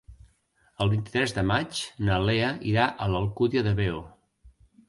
El vint-i-tres de maig na Lea irà a l'Alcúdia de Veo.